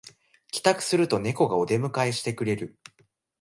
帰宅するとネコがお出迎えしてくれる